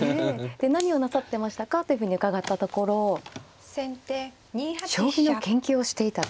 「何をなさってましたか？」というふうに伺ったところ将棋の研究をしていたと。